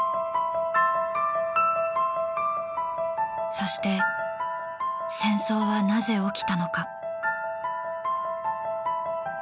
そして戦争はなぜ起きたのか。